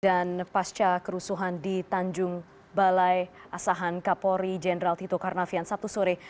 dan pasca kerusuhan di tanjung balai asahan kapolri jenderal tito karnavian sabtu sore